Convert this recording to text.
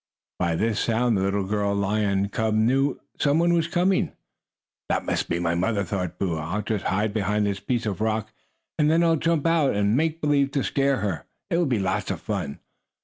By this sound the little girl lion cub knew some one was coming. "That must be my mother," thought Boo. "I'll just hide behind this piece of rock, and then I'll jump out and make believe to scare her. It will be lots of fun."